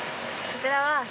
こちらは。